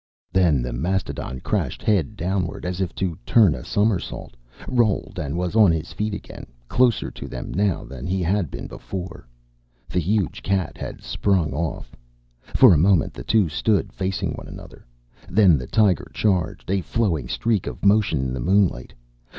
Then the mastodon crashed head downward, as if to turn a somersault, rolled and was on his feet again, closer to them now than he had been before. The huge cat had sprung off. For a moment, the two stood facing one another. Then the tiger charged, a flowing streak of motion in the moonlight.